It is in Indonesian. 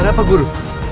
ada apa guru